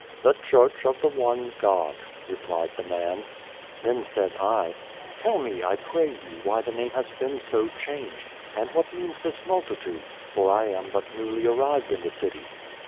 " The Church of the ONE GOD," replied the man. Then said I, " Tell me, I pray you, why the name has been so changed, and whaj means this multitude, for I am but newly arrived in the city."